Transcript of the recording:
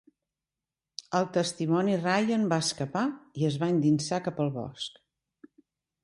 El testimoni Ryan va escapar i es va endinsar cap al bosc.